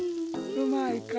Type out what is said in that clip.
うまいか？